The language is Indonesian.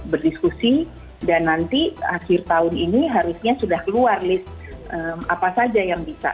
berdiskusi dan nanti akhir tahun ini harusnya sudah keluar list apa saja yang bisa